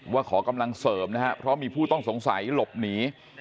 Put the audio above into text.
ขอกำลังเสริมนะครับเพราะมีผู้ต้องสงสัยหลบหนี